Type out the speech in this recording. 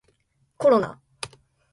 コロナ